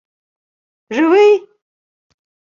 — Живий?!